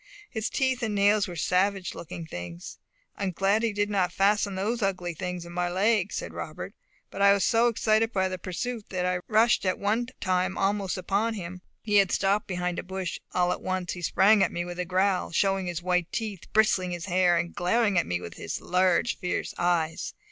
Its teeth and nails were savage looking things. "I am glad he did not fasten those ugly looking things in my leg," said Robert; "but I was so excited by the pursuit, that I rushed at one time almost upon him. He had stopped behind a bush; all at once he sprang at me with a growl, showing his white teeth, bristling his hair, and glaring at me with his large fierce eyes.